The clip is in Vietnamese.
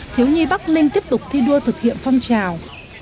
thiếu nhi bắc ninh tiếp tục thi đua thực hiện phong trào